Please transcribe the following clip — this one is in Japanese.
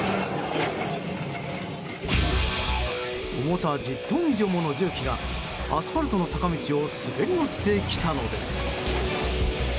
重さ１０トン以上もの重機がアスファルトの坂道を滑り落ちてきたのです。